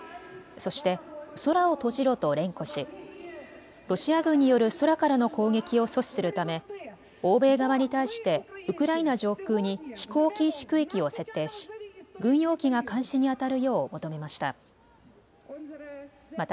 そして、空を閉じろと連呼しロシア軍による空からの攻撃を阻止するため欧米側に対してウクライナ上空に飛行禁止区域を設定し軍用機が監視にあたるよう求めました。